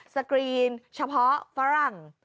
สกรีนเฉพาะฝรั่ง